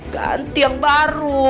ganti yang baru